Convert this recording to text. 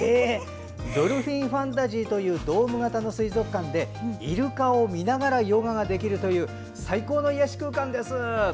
ドルフィンファンタジーというドーム型の水族館でイルカを見ながらヨガができる最高の癒やし空間です。